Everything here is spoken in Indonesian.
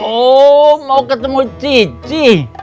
oh mau ketemu cici